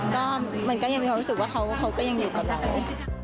ก็มันก็ยังมีความรู้สึกว่าเขาก็ยังอยู่กับเรา